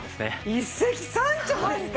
一石三鳥ですか！